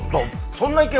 そんな意見